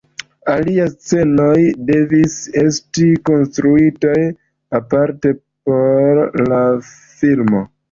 Aliaj scenejoj devis esti konstruitaj aparte por la filmo.